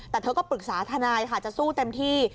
แต่เธอก็ปรึกษาทนายค่ะจะสู้เต็มที่